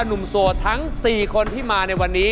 โสดทั้ง๔คนที่มาในวันนี้